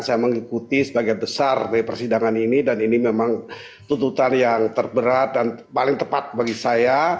saya mengikuti sebagian besar dari persidangan ini dan ini memang tuntutan yang terberat dan paling tepat bagi saya